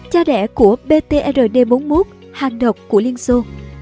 cha đẻ của btrd bốn mươi một hàng độc của liên xô